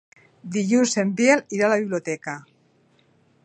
Dilluns en Biel irà a la biblioteca.